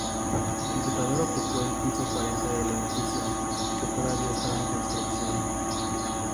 El computador ocupó el piso cuarenta del edificio, que todavía estaba en construcción.